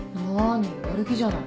何やる気じゃない。